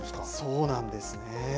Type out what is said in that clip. そうなんですね。